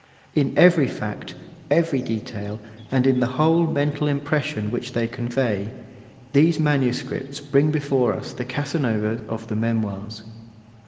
In every fact, every detail, and in the whole mental impression which they convey, these manuscripts bring before us the Casanova of the Memoirs.